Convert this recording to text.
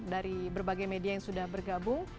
dari berbagai media yang sudah bergabung